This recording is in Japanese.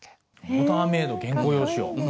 オーダーメード原稿用紙を。